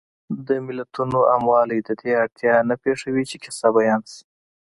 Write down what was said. د متلونو عاموالی د دې اړتیا نه پېښوي چې کیسه بیان شي